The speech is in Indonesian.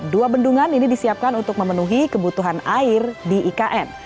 dua bendungan ini disiapkan untuk memenuhi kebutuhan air di ikn